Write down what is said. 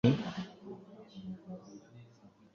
Kuki ushaka kuba i Boston?